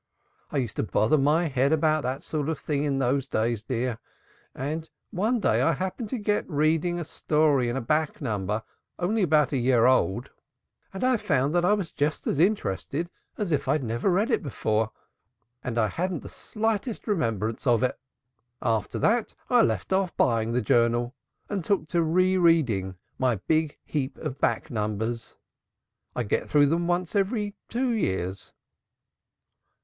I used to bother my head about that sort of thing in those days, dear; and one day I happened to get reading a story in a back number only about a year old and I found I was just as interested as if I had never read it before and I hadn't the slightest remembrance of it. After that I left off buying the Journal and took to reading my big heap of back numbers. I get through them once every two years."